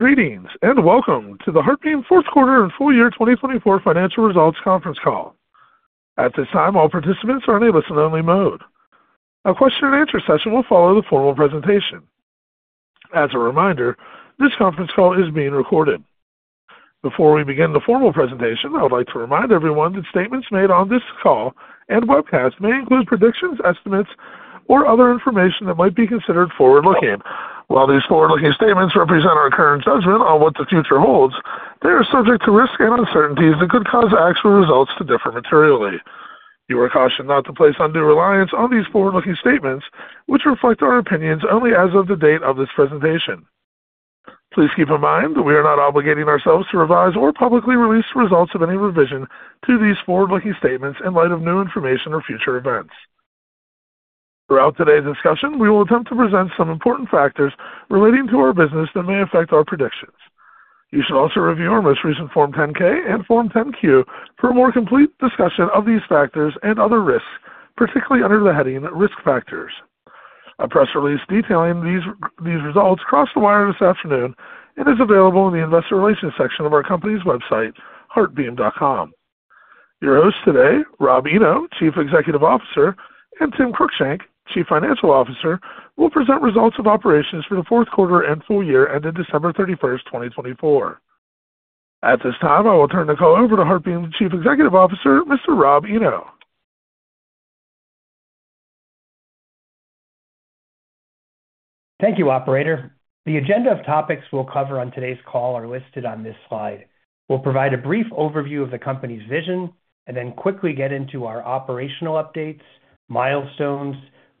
Greetings and welcome to the HeartBeam fourth quarter and full year 2024 financial results conference call. At this time, all participants are in a listen-only mode. A question-and-answer session will follow the formal presentation. As a reminder, this conference call is being recorded. Before we begin the formal presentation, I would like to remind everyone that statements made on this call and webcast may include predictions, estimates, or other information that might be considered forward-looking. While these forward-looking statements represent our current judgment on what the future holds, they are subject to risks and uncertainties that could cause actual results to differ materially. You are cautioned not to place undue reliance on these forward-looking statements, which reflect our opinions only as of the date of this presentation. Please keep in mind that we are not obligating ourselves to revise or publicly release the results of any revision to these forward-looking statements in light of new information or future events. Throughout today's discussion, we will attempt to present some important factors relating to our business that may affect our predictions. You should also review our most recent Form 10-K and Form 10-Q for a more complete discussion of these factors and other risks, particularly under the heading Risk Factors. A press release detailing these results crossed the wire this afternoon and is available in the investor relations section of our company's website, heartbeam.com. Your hosts today, Rob Eno, Chief Executive Officer, and Tim Cruickshank, Chief Financial Officer, will present results of operations for the fourth quarter and full year ended December 31st, 2024. At this time, I will turn the call over to HeartBeam Chief Executive Officer, Mr. Rob Eno. Thank you, Operator. The agenda of topics we'll cover on today's call are listed on this slide. We'll provide a brief overview of the company's vision and then quickly get into our operational updates, milestones,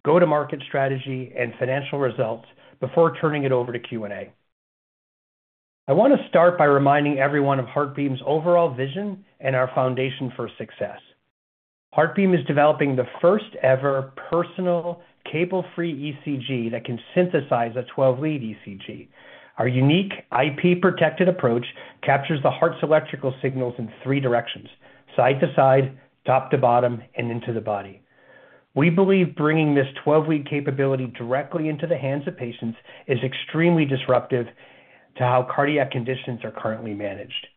go-to-market strategy, and financial results before turning it over to Q&A. I want to start by reminding everyone of HeartBeam's overall vision and our foundation for success. HeartBeam is developing the first-ever personal, cable-free ECG that can synthesize a 12-lead ECG. Our unique IP-protected approach captures the heart's electrical signals in three directions: side-to-side, top-to-bottom, and into the body. We believe bringing this 12-lead capability directly into the hands of patients is extremely disruptive to how cardiac conditions are currently managed.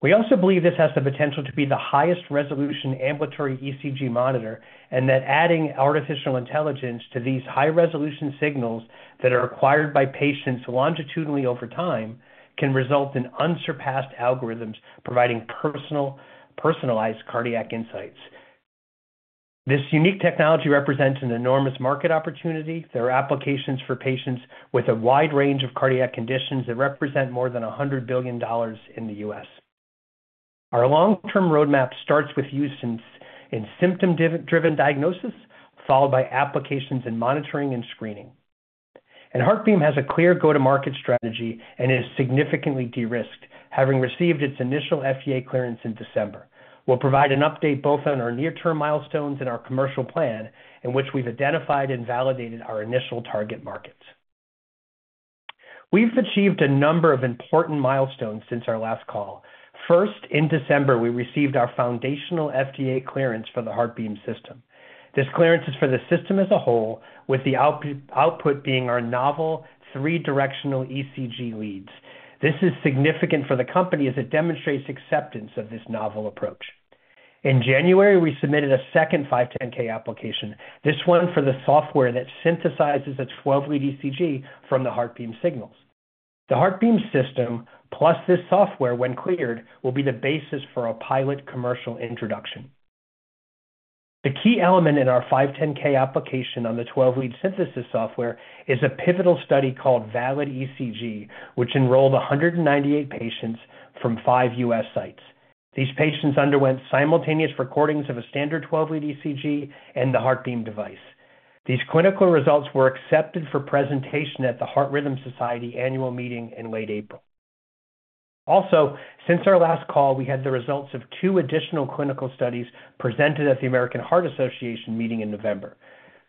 We also believe this has the potential to be the highest-resolution ambulatory ECG monitor and that adding artificial intelligence to these high-resolution signals that are acquired by patients longitudinally over time can result in unsurpassed algorithms providing personalized cardiac insights. This unique technology represents an enormous market opportunity through applications for patients with a wide range of cardiac conditions that represent more than $100 billion in the U.S. Our long-term roadmap starts with use in symptom-driven diagnosis, followed by applications in monitoring and screening. HeartBeam has a clear go-to-market strategy and is significantly de-risked, having received its initial FDA clearance in December. We will provide an update both on our near-term milestones and our commercial plan, in which we have identified and validated our initial target markets. We have achieved a number of important milestones since our last call. First, in December, we received our foundational FDA clearance for the HeartBeam System. This clearance is for the system as a whole, with the output being our novel three-directional ECG leads. This is significant for the company as it demonstrates acceptance of this novel approach. In January, we submitted a second 510(k) application, this one for the software that synthesizes a 12-lead ECG from the HeartBeam signals. The HeartBeam System, plus this software when cleared, will be the basis for our pilot commercial introduction. The key element in our 510(k) application on the 12-lead synthesis software is a pivotal study called VALID-ECG, which enrolled 198 patients from five U.S. sites. These patients underwent simultaneous recordings of a standard 12-lead ECG and the HeartBeam device. These clinical results were accepted for presentation at the Heart Rhythm Society annual meeting in late April. Also, since our last call, we had the results of two additional clinical studies presented at the American Heart Association meeting in November.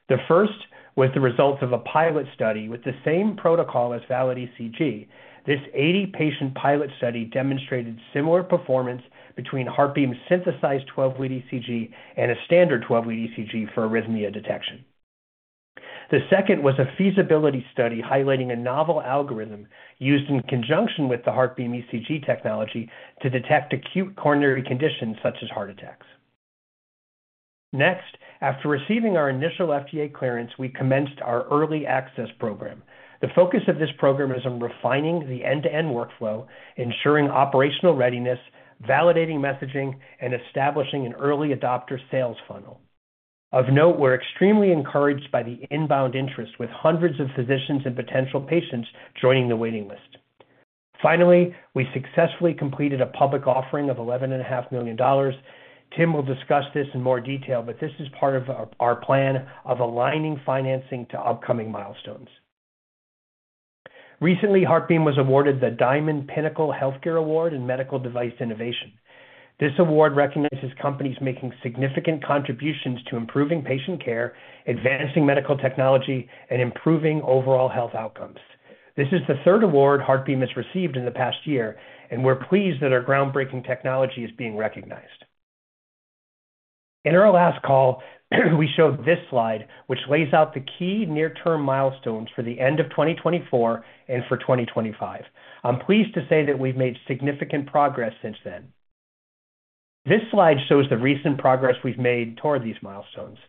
The first was the results of a pilot study with the same protocol as VALID-ECG. This 80-patient pilot study demonstrated similar performance between HeartBeam's synthesized 12-lead ECG and a standard 12-lead ECG for arrhythmia detection. The second was a feasibility study highlighting a novel algorithm used in conjunction with the HeartBeam ECG technology to detect acute coronary conditions such as heart attacks. Next, after receiving our initial FDA clearance, we commenced our early access program. The focus of this program is on refining the end-to-end workflow, ensuring operational readiness, validating messaging, and establishing an early adopter sales funnel. Of note, we're extremely encouraged by the inbound interest with hundreds of physicians and potential patients joining the waiting list. Finally, we successfully completed a public offering of $11.5 million. Tim will discuss this in more detail, but this is part of our plan of aligning financing to upcoming milestones. Recently, HeartBeam was awarded the Diamond Pinnacle Healthcare Award in Medical Device Innovation. This award recognizes companies making significant contributions to improving patient care, advancing medical technology, and improving overall health outcomes. This is the third award HeartBeam has received in the past year, and we're pleased that our groundbreaking technology is being recognized. In our last call, we showed this slide, which lays out the key near-term milestones for the end of 2024 and for 2025. I'm pleased to say that we've made significant progress since then. This slide shows the recent progress we've made toward these milestones.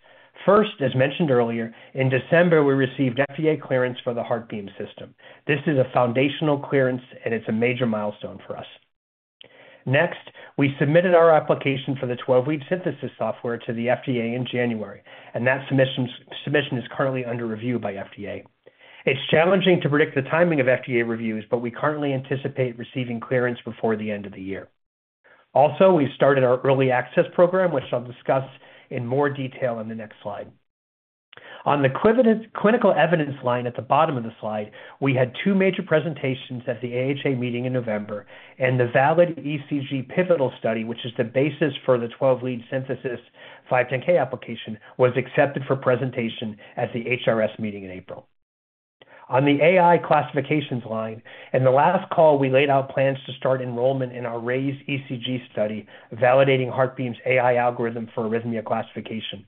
First, as mentioned earlier, in December, we received FDA clearance for the HeartBeam System. This is a foundational clearance, and it's a major milestone for us. Next, we submitted our application for the 12-lead synthesis software to the FDA in January, and that submission is currently under review by FDA. It's challenging to predict the timing of FDA reviews, but we currently anticipate receiving clearance before the end of the year. Also, we've started our early access program, which I'll discuss in more detail on the next slide. On the clinical evidence line at the bottom of the slide, we had two major presentations at the AHA meeting in November, and the VALID-ECG pivotal study, which is the basis for the 12-lead synthesis 510(k) application, was accepted for presentation at the HRS meeting in April. On the AI classifications line, in the last call, we laid out plans to start enrollment in our RAISE-ECG study, validating HeartBeam's AI algorithm for arrhythmia classification.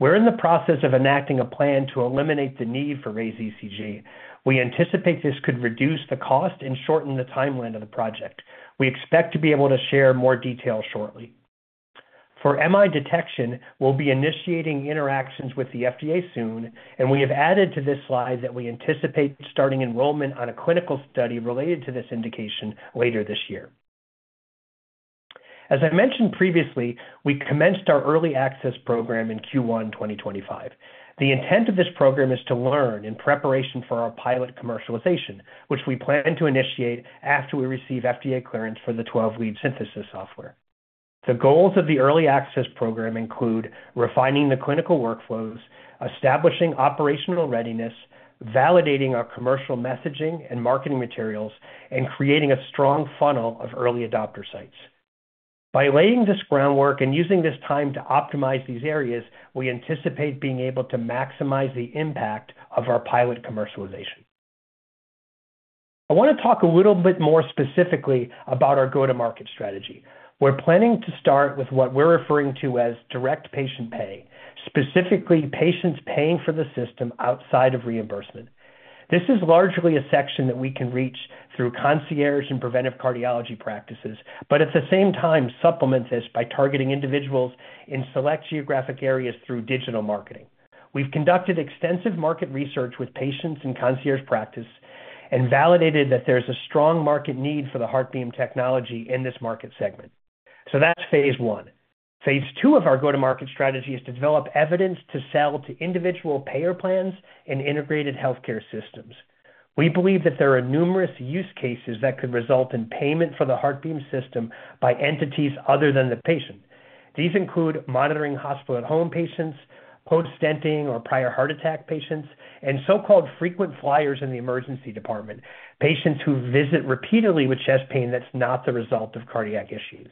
We're in the process of enacting a plan to eliminate the need for RAISE-ECG. We anticipate this could reduce the cost and shorten the timeline of the project. We expect to be able to share more details shortly. For MI detection, we'll be initiating interactions with the FDA soon, and we have added to this slide that we anticipate starting enrollment on a clinical study related to this indication later this year. As I mentioned previously, we commenced our early access program in Q1 2025. The intent of this program is to learn in preparation for our pilot commercialization, which we plan to initiate after we receive FDA clearance for the 12-lead synthesis software. The goals of the early access program include refining the clinical workflows, establishing operational readiness, validating our commercial messaging and marketing materials, and creating a strong funnel of early adopter sites. By laying this groundwork and using this time to optimize these areas, we anticipate being able to maximize the impact of our pilot commercialization. I want to talk a little bit more specifically about our go-to-market strategy. We're planning to start with what we're referring to as direct patient pay, specifically patients paying for the system outside of reimbursement. This is largely a section that we can reach through concierge and preventive cardiology practices, but at the same time, supplement this by targeting individuals in select geographic areas through digital marketing. We've conducted extensive market research with patients in concierge practice and validated that there's a strong market need for the HeartBeam technology in this market segment. That's Phase I. Phase II of our go-to-market strategy is to develop evidence to sell to individual payer plans and integrated healthcare systems. We believe that there are numerous use cases that could result in payment for the HeartBeam System by entities other than the patient. These include monitoring hospital-at-home patients, post-stenting or prior heart attack patients, and so-called frequent flyers in the emergency department, patients who visit repeatedly with chest pain that's not the result of cardiac issues.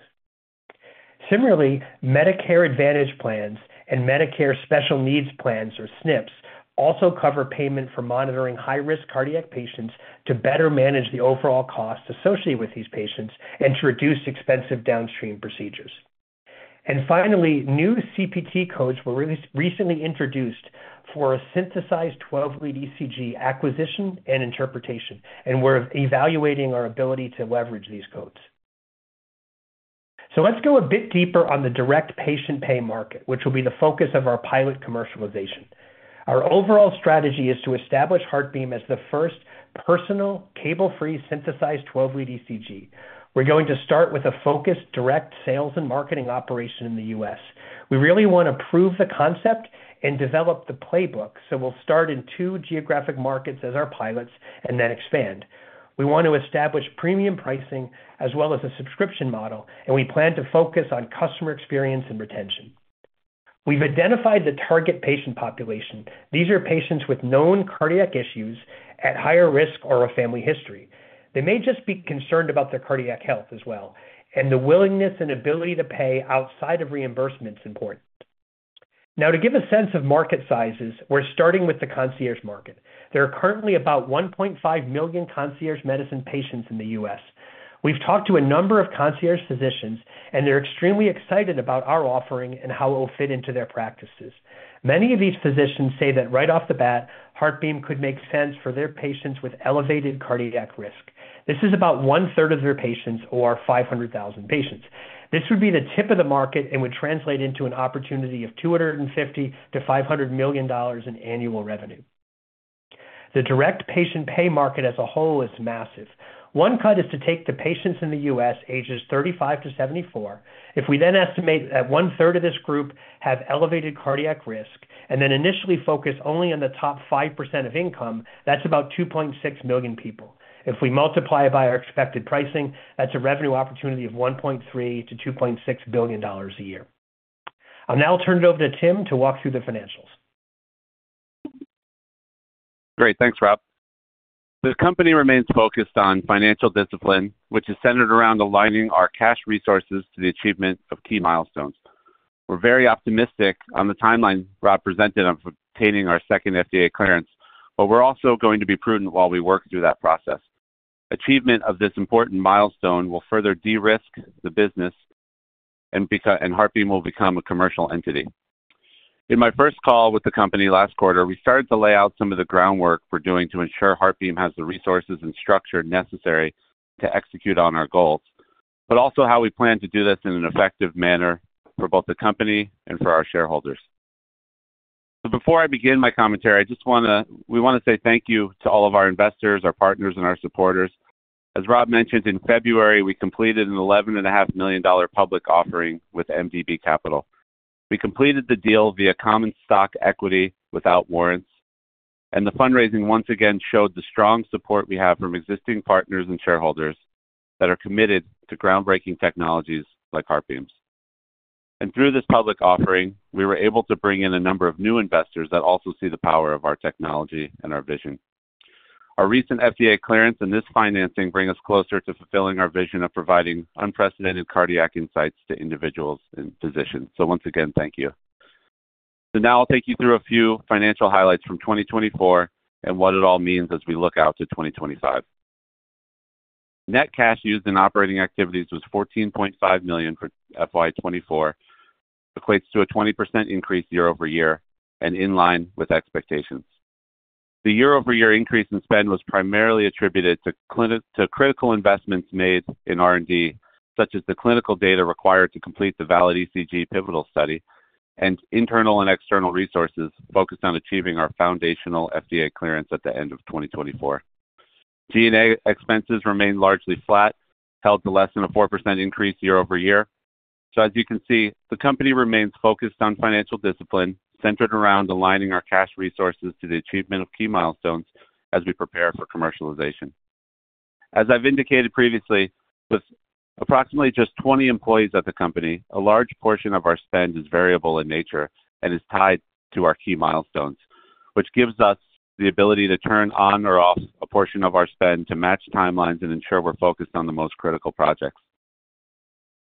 Similarly, Medicare Advantage Plans and Medicare Special Needs Plans, or SNPs, also cover payment for monitoring high-risk cardiac patients to better manage the overall cost associated with these patients and to reduce expensive downstream procedures. Finally, new CPT codes were recently introduced for a synthesized 12-lead ECG acquisition and interpretation, and we're evaluating our ability to leverage these codes. Let's go a bit deeper on the direct patient pay market, which will be the focus of our pilot commercialization. Our overall strategy is to establish HeartBeam as the first personal, cable-free synthesized 12-lead ECG. We're going to start with a focused direct sales and marketing operation in the U.S. We really want to prove the concept and develop the playbook, so we'll start in two geographic markets as our pilots and then expand. We want to establish premium pricing as well as a subscription model, and we plan to focus on customer experience and retention. We've identified the target patient population. These are patients with known cardiac issues at higher risk or a family history. They may just be concerned about their cardiac health as well, and the willingness and ability to pay outside of reimbursement is important. Now, to give a sense of market sizes, we're starting with the concierge market. There are currently about 1.5 million concierge medicine patients in the U.S. We've talked to a number of concierge physicians, and they're extremely excited about our offering and how it will fit into their practices. Many of these physicians say that right off the bat, HeartBeam could make sense for their patients with elevated cardiac risk. This is about 1/3 of their patients or 500,000 patients. This would be the tip of the market and would translate into an opportunity of $250 million-$500 million in annual revenue. The direct patient pay market as a whole is massive. One cut is to take the patients in the U.S., ages 35-74. If we then estimate that one-third of this group have elevated cardiac risk and then initially focus only on the top 5% of income, that's about 2.6 million people. If we multiply it by our expected pricing, that's a revenue opportunity of $1.3 billion-$2.6 billion a year. I'll now turn it over to Tim to walk through the financials. Great. Thanks, Rob. This company remains focused on financial discipline, which is centered around aligning our cash resources to the achievement of key milestones. We're very optimistic on the timeline Rob presented of obtaining our second FDA clearance, but we're also going to be prudent while we work through that process. Achievement of this important milestone will further de-risk the business, and HeartBeam will become a commercial entity. In my first call with the company last quarter, we started to lay out some of the groundwork we're doing to ensure HeartBeam has the resources and structure necessary to execute on our goals, but also how we plan to do this in an effective manner for both the company and for our shareholders. Before I begin my commentary, I just want to—we want to say thank you to all of our investors, our partners, and our supporters. As Rob mentioned, in February, we completed an $11.5 million public offering with MDB Capital. We completed the deal via common stock equity without warrants, and the fundraising once again showed the strong support we have from existing partners and shareholders that are committed to groundbreaking technologies like HeartBeam's. Through this public offering, we were able to bring in a number of new investors that also see the power of our technology and our vision. Our recent FDA clearance and this financing bring us closer to fulfilling our vision of providing unprecedented cardiac insights to individuals and physicians. Thank you. Now I'll take you through a few financial highlights from 2024 and what it all means as we look out to 2025. Net cash used in operating activities was $14.5 million for FY 2024, equates to a 20% increase year-over-year and in line with expectations. The year-over-year increase in spend was primarily attributed to critical investments made in R&D, such as the clinical data required to complete the VALID-ECG pivotal study and internal and external resources focused on achieving our foundational FDA clearance at the end of 2024. G&A expenses remained largely flat, held to less than a 4% increase year-over-year. As you can see, the company remains focused on financial discipline, centered around aligning our cash resources to the achievement of key milestones as we prepare for commercialization. As I've indicated previously, with approximately just 20 employees at the company, a large portion of our spend is variable in nature and is tied to our key milestones, which gives us the ability to turn on or off a portion of our spend to match timelines and ensure we're focused on the most critical projects.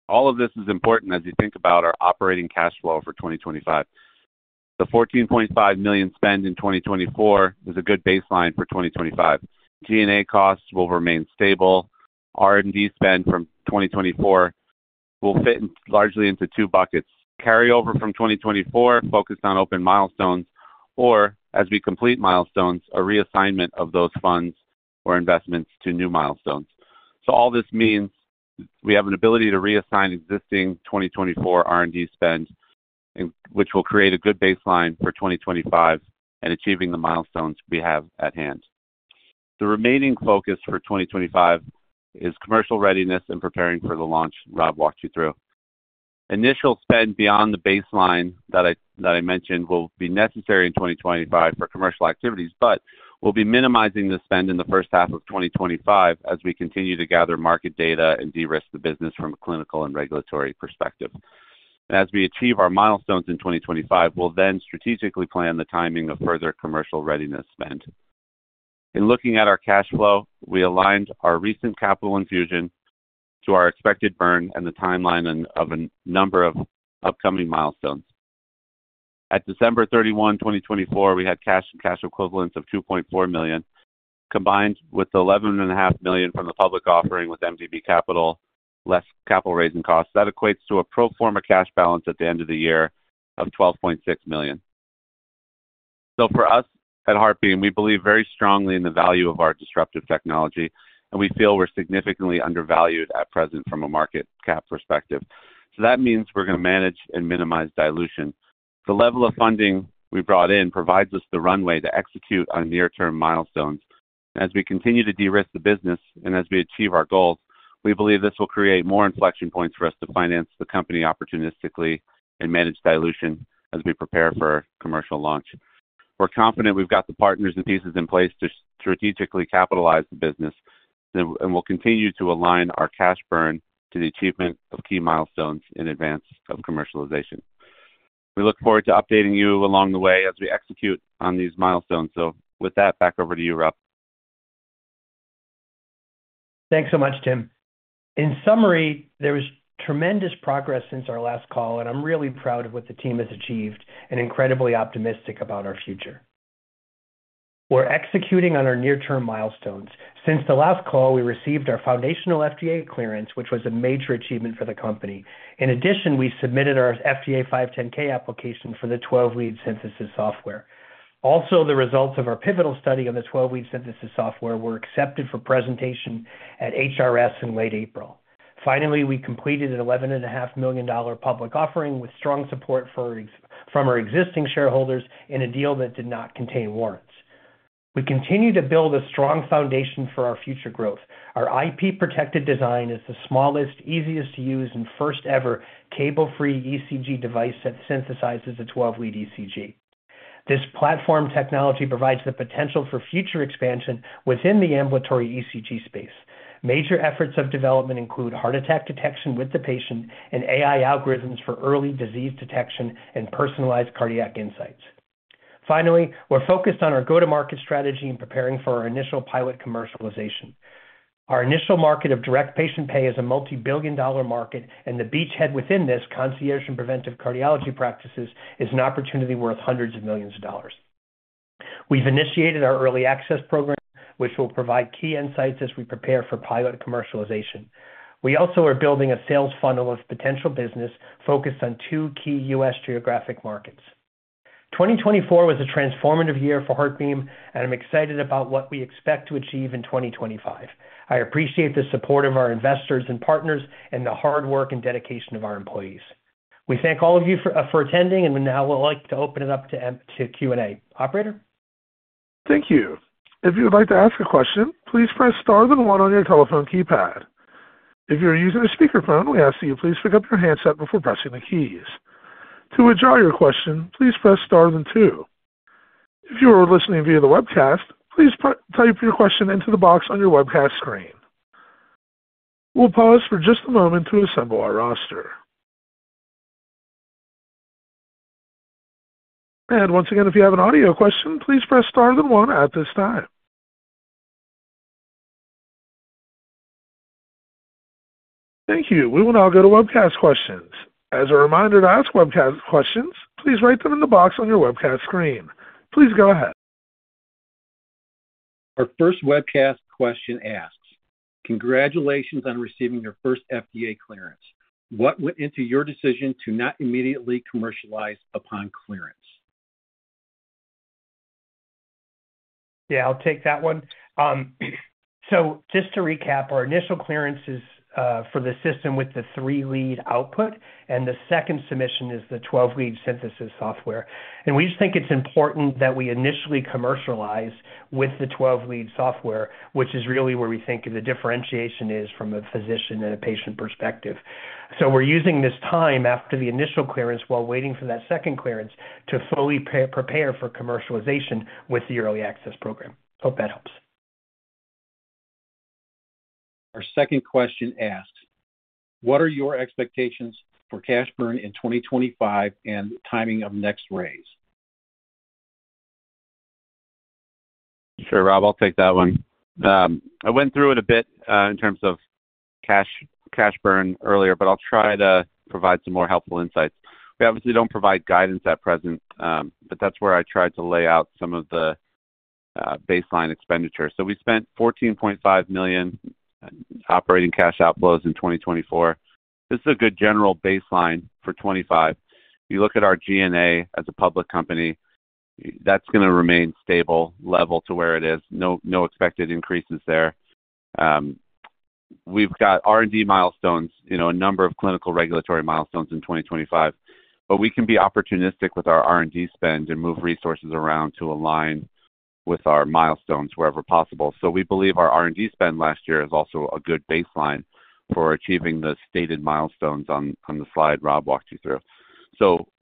All of this is important as you think about our operating cash flow for 2025. The $14.5 million spend in 2024 is a good baseline for 2025. G&A costs will remain stable. R&D spend from 2024 will fit largely into two buckets: carryover from 2024 focused on open milestones, or as we complete milestones, a reassignment of those funds or investments to new milestones. All this means we have an ability to reassign existing 2024 R&D spend, which will create a good baseline for 2025 and achieving the milestones we have at hand. The remaining focus for 2025 is commercial readiness and preparing for the launch Rob walked you through. Initial spend beyond the baseline that I mentioned will be necessary in 2025 for commercial activities, but we'll be minimizing the spend in the first half of 2025 as we continue to gather market data and de-risk the business from a clinical and regulatory perspective. As we achieve our milestones in 2025, we'll then strategically plan the timing of further commercial readiness spend. In looking at our cash flow, we aligned our recent capital infusion to our expected burn and the timeline of a number of upcoming milestones. At December 31, 2024, we had cash and cash equivalents of $2.4 million, combined with the $11.5 million from the public offering with MDB Capital, less capital raising costs. That equates to a pro forma cash balance at the end of the year of $12.6 million. For us at HeartBeam, we believe very strongly in the value of our disruptive technology, and we feel we're significantly undervalued at present from a market cap perspective. That means we're going to manage and minimize dilution. The level of funding we brought in provides us the runway to execute on near-term milestones. As we continue to de-risk the business and as we achieve our goals, we believe this will create more inflection points for us to finance the company opportunistically and manage dilution as we prepare for commercial launch. We're confident we've got the partners and pieces in place to strategically capitalize the business, and we'll continue to align our cash burn to the achievement of key milestones in advance of commercialization. We look forward to updating you along the way as we execute on these milestones. With that, back over to you, Rob. Thanks so much, Tim. In summary, there was tremendous progress since our last call, and I'm really proud of what the team has achieved and incredibly optimistic about our future. We're executing on our near-term milestones. Since the last call, we received our foundational FDA clearance, which was a major achievement for the company. In addition, we submitted our FDA 510(k) application for the 12-lead synthesis software. Also, the results of our pivotal study on the 12-lead synthesis software were accepted for presentation at HRS in late April. Finally, we completed an $11.5 million public offering with strong support from our existing shareholders in a deal that did not contain warrants. We continue to build a strong foundation for our future growth. Our IP-protected design is the smallest, easiest-to-use, and first-ever cable-free ECG device that synthesizes a 12-lead ECG. This platform technology provides the potential for future expansion within the ambulatory ECG space. Major efforts of development include heart attack detection with the patient and AI algorithms for early disease detection and personalized cardiac insights. Finally, we're focused on our go-to-market strategy and preparing for our initial pilot commercialization. Our initial market of direct patient pay is a multi-billion dollar market, and the beachhead within this, concierge and preventive cardiology practices, is an opportunity worth hundreds of millions of dollars. We've initiated our early access program, which will provide key insights as we prepare for pilot commercialization. We also are building a sales funnel of potential business focused on two key U.S. geographic markets. 2024 was a transformative year for HeartBeam, and I'm excited about what we expect to achieve in 2025. I appreciate the support of our investors and partners and the hard work and dedication of our employees. We thank all of you for attending, and now we'd like to open it up to Q&A. Operator? Thank you. If you'd like to ask a question, please press star then one on your telephone keypad. If you're using a speakerphone, we ask that you please pick up your handset before pressing the keys. To withdraw your question, please press star then two. If you are listening via the webcast, please type your question into the box on your webcast screen. We'll pause for just a moment to assemble our roster. Once again, if you have an audio question, please press star then one at this time. Thank you. We will now go to webcast questions. As a reminder to ask webcast questions, please write them in the box on your webcast screen. Please go ahead. Our first webcast question asks, "Congratulations on receiving your first FDA clearance. What went into your decision to not immediately commercialize upon clearance? Yeah, I'll take that one. Just to recap, our initial clearance is for the system with the three-lead output, and the second submission is the 12-lead synthesis software. We just think it's important that we initially commercialize with the 12-lead software, which is really where we think the differentiation is from a physician and a patient perspective. We are using this time after the initial clearance while waiting for that second clearance to fully prepare for commercialization with the early access program. Hope that helps. Our second question asks, "What are your expectations for cash burn in 2025 and timing of next raise? Sure, Rob, I'll take that one. I went through it a bit in terms of cash burn earlier, but I'll try to provide some more helpful insights. We obviously don't provide guidance at present, but that's where I tried to lay out some of the baseline expenditure. We spent $14.5 million in operating cash outflows in 2024. This is a good general baseline for 2025. You look at our G&A as a public company, that's going to remain stable level to where it is. No expected increases there. We've got R&D milestones, a number of clinical regulatory milestones in 2025, but we can be opportunistic with our R&D spend and move resources around to align with our milestones wherever possible. We believe our R&D spend last year is also a good baseline for achieving the stated milestones on the slide Rob walked you through.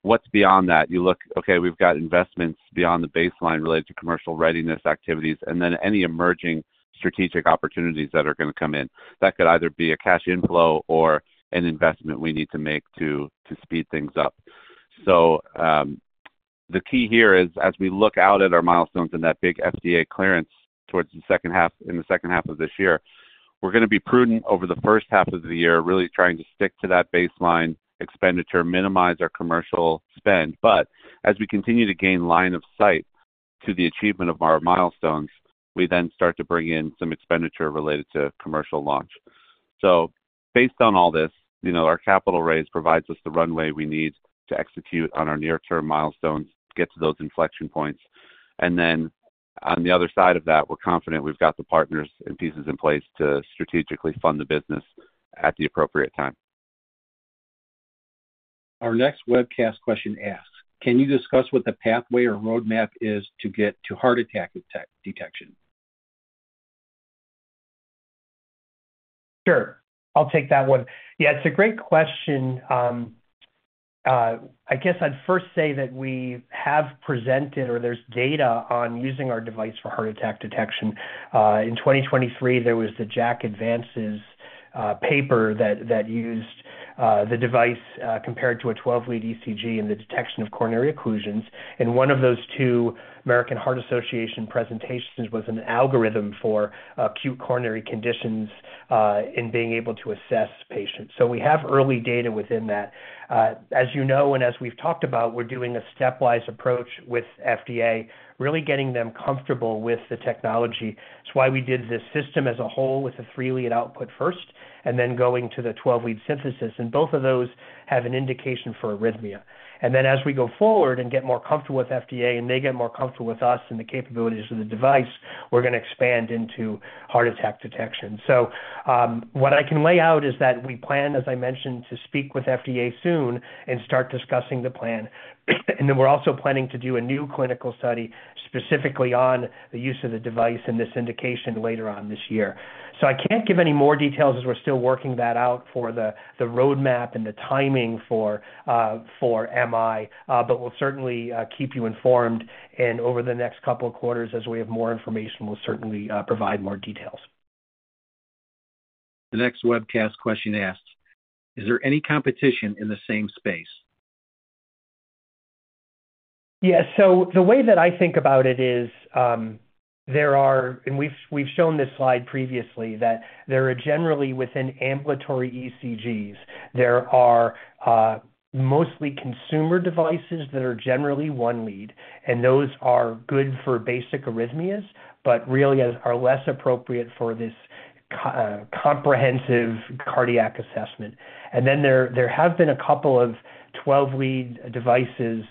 What's beyond that? You look, okay, we've got investments beyond the baseline related to commercial readiness activities, and then any emerging strategic opportunities that are going to come in. That could either be a cash inflow or an investment we need to make to speed things up. The key here is, as we look out at our milestones and that big FDA clearance towards the second half in the second half of this year, we're going to be prudent over the first half of the year, really trying to stick to that baseline expenditure, minimize our commercial spend. As we continue to gain line of sight to the achievement of our milestones, we then start to bring in some expenditure related to commercial launch. Based on all this, our capital raise provides us the runway we need to execute on our near-term milestones, get to those inflection points. On the other side of that, we're confident we've got the partners and pieces in place to strategically fund the business at the appropriate time. Our next webcast question asks, "Can you discuss what the pathway or roadmap is to get to heart attack detection? Sure. I'll take that one. Yeah, it's a great question. I guess I'd first say that we have presented or there's data on using our device for heart attack detection. In 2023, there was the JACC Advances paper that used the device compared to a 12-lead ECG and the detection of coronary occlusions. One of those two American Heart Association presentations was an algorithm for acute coronary conditions in being able to assess patients. We have early data within that. As you know, and as we've talked about, we're doing a stepwise approach with FDA, really getting them comfortable with the technology. It's why we did this system as a whole with a three-lead output first and then going to the 12-lead synthesis. Both of those have an indication for arrhythmia. As we go forward and get more comfortable with FDA and they get more comfortable with us and the capabilities of the device, we're going to expand into heart attack detection. What I can lay out is that we plan, as I mentioned, to speak with FDA soon and start discussing the plan. We are also planning to do a new clinical study specifically on the use of the device and this indication later on this year. I can't give any more details as we're still working that out for the roadmap and the timing for MI, but we'll certainly keep you informed. Over the next couple of quarters, as we have more information, we'll certainly provide more details. The next webcast question asks, "Is there any competition in the same space? Yeah. The way that I think about it is there are, and we've shown this slide previously, that there are generally within ambulatory ECGs, mostly consumer devices that are generally one lead, and those are good for basic arrhythmias, but really are less appropriate for this comprehensive cardiac assessment. There have been a couple of 12-lead devices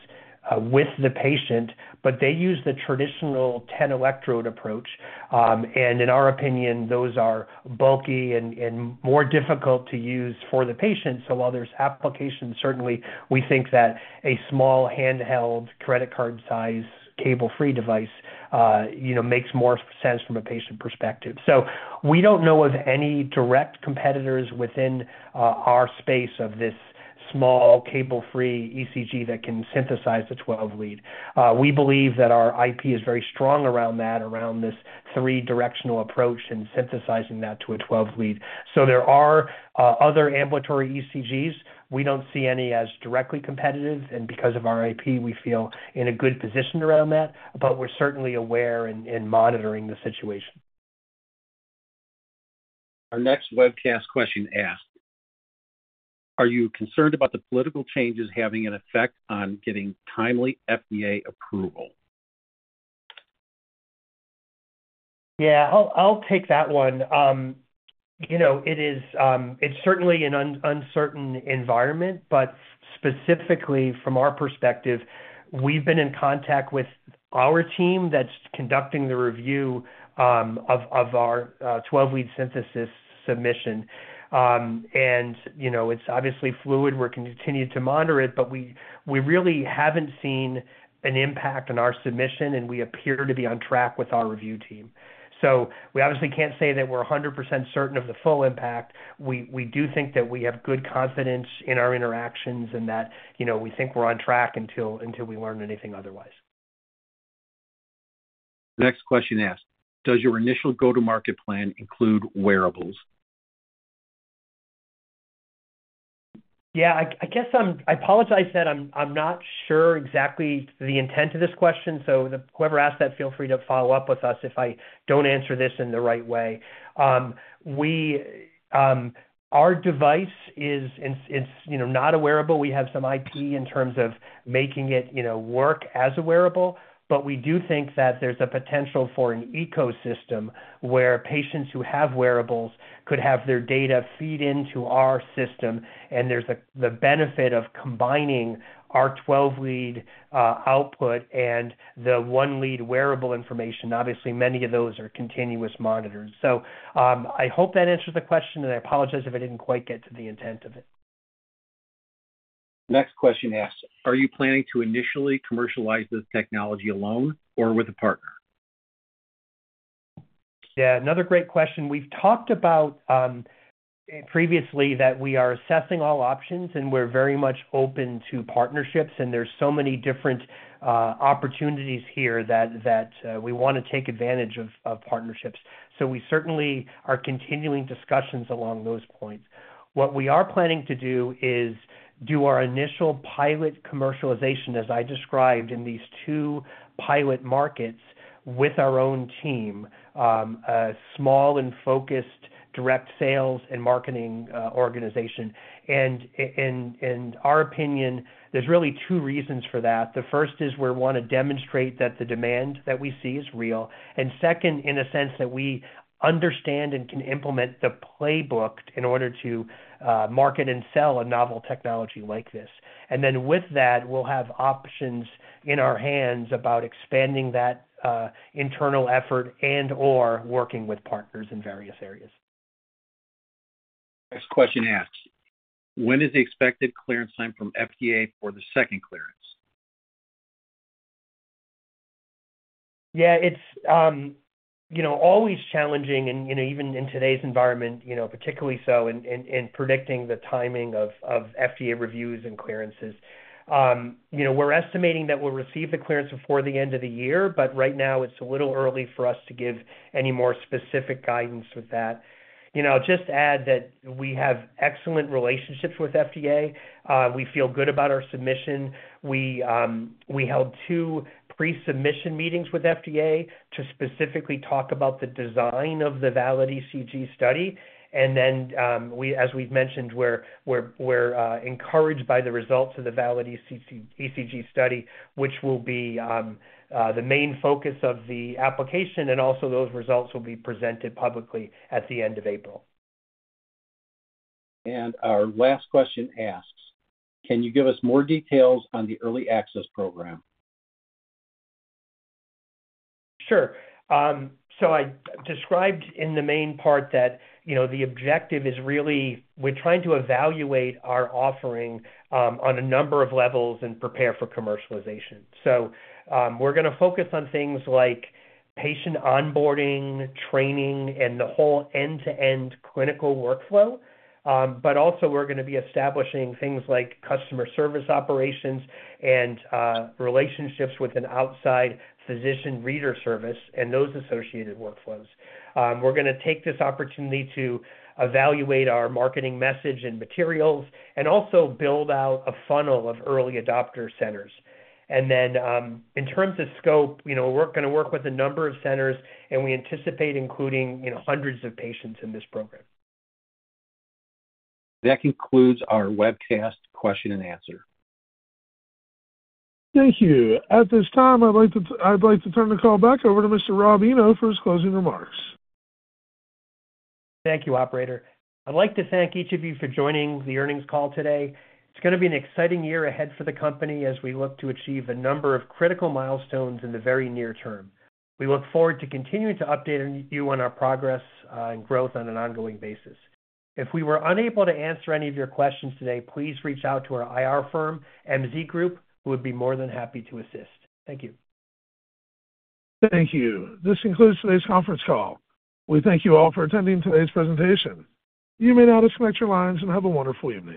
with the patient, but they use the traditional 10-electrode approach. In our opinion, those are bulky and more difficult to use for the patient. While there are applications, certainly we think that a small handheld credit card-sized cable-free device makes more sense from a patient perspective. We don't know of any direct competitors within our space of this small cable-free ECG that can synthesize the 12-lead. We believe that our IP is very strong around that, around this three-directional approach and synthesizing that to a 12-lead. There are other ambulatory ECGs. We do not see any as directly competitive. And because of our IP, we feel in a good position around that, but we are certainly aware and monitoring the situation. Our next webcast question asks, "Are you concerned about the political changes having an effect on getting timely FDA approval? Yeah, I'll take that one. It's certainly an uncertain environment, but specifically from our perspective, we've been in contact with our team that's conducting the review of our 12-lead synthesis submission. It's obviously fluid. We're continuing to monitor it, but we really haven't seen an impact on our submission, and we appear to be on track with our review team. We obviously can't say that we're 100% certain of the full impact. We do think that we have good confidence in our interactions and that we think we're on track until we learn anything otherwise. The next question asks, "Does your initial go-to-market plan include wearables? Yeah, I guess I apologize that I'm not sure exactly the intent of this question. Whoever asked that, feel free to follow up with us if I don't answer this in the right way. Our device is not a wearable. We have some IP in terms of making it work as a wearable, but we do think that there's a potential for an ecosystem where patients who have wearables could have their data feed into our system. There's the benefit of combining our 12-lead output and the one-lead wearable information. Obviously, many of those are continuous monitors. I hope that answers the question, and I apologize if I didn't quite get to the intent of it. The next question asks, "Are you planning to initially commercialize this technology alone or with a partner? Yeah, another great question. We've talked about previously that we are assessing all options, and we're very much open to partnerships. There's so many different opportunities here that we want to take advantage of partnerships. We certainly are continuing discussions along those points. What we are planning to do is do our initial pilot commercialization, as I described in these two pilot markets with our own team, a small and focused direct sales and marketing organization. In our opinion, there's really two reasons for that. The first is we want to demonstrate that the demand that we see is real. Second, in a sense that we understand and can implement the playbook in order to market and sell a novel technology like this. With that, we'll have options in our hands about expanding that internal effort and/or working with partners in various areas. The next question asks, "When is the expected clearance time from FDA for the second clearance? Yeah, it's always challenging, and even in today's environment, particularly so in predicting the timing of FDA reviews and clearances. We're estimating that we'll receive the clearance before the end of the year, but right now, it's a little early for us to give any more specific guidance with that. Just add that we have excellent relationships with FDA. We feel good about our submission. We held two pre-submission meetings with FDA to specifically talk about the design of the VALID-ECG study. As we've mentioned, we're encouraged by the results of the VALID-ECG study, which will be the main focus of the application. Also, those results will be presented publicly at the end of April. Our last question asks, "Can you give us more details on the early access program? Sure. I described in the main part that the objective is really we're trying to evaluate our offering on a number of levels and prepare for commercialization. We're going to focus on things like patient onboarding, training, and the whole end-to-end clinical workflow. We're also going to be establishing things like customer service operations and relationships with an outside physician reader service and those associated workflows. We're going to take this opportunity to evaluate our marketing message and materials and also build out a funnel of early adopter centers. In terms of scope, we're going to work with a number of centers, and we anticipate including hundreds of patients in this program. That concludes our webcast question and answer. Thank you. At this time, I'd like to turn the call back over to Mr. Rob Eno for his closing remarks. Thank you, Operator. I'd like to thank each of you for joining the earnings call today. It's going to be an exciting year ahead for the company as we look to achieve a number of critical milestones in the very near term. We look forward to continuing to update you on our progress and growth on an ongoing basis. If we were unable to answer any of your questions today, please reach out to our IR firm, MZ Group, who would be more than happy to assist. Thank you. Thank you. This concludes today's conference call. We thank you all for attending today's presentation. You may now disconnect your lines and have a wonderful evening.